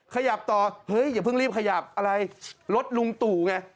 ขยับต่อเฮ้ยอย่าเพิ่งรีบขยับอะไรรถลุงตู่ไง